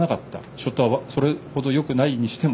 ショットはそれほどよくないにしても。